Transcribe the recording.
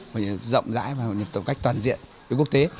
hội nhập rộng rãi và hội nhập tổng cách toàn diện với quốc tế